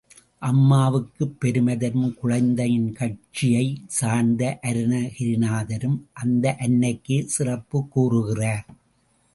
அம்மாவுக்கு பெருமை தரும் குழந்தையின் கட்சியைச் சார்ந்த அருணகிரிநாதரும் அந்த அன்னைக்கே சிறப்புக் கூறுகிறார்.